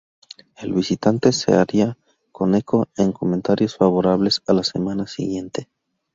El visitante se haría eco en comentarios favorables la semana siguiente.